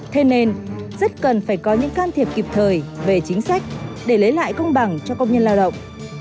thế nên rất cần phải có những can thiệp kịp thời về chính sách để lấy lại công bằng cho công nhân lao động